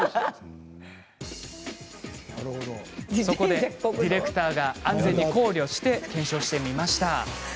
そこで、ディレクターが安全を考慮しつつ検証してみました。